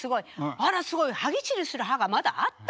あらすごい歯ぎしりする歯がまだあったんだと。